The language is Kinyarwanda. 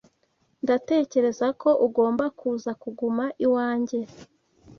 [S] Ndatekereza ko ugomba kuza guma iwanjye.